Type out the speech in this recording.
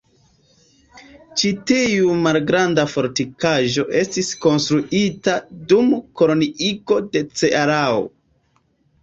Ĉi tiu malgranda fortikaĵo estis konstruita dum koloniigo de Cearao.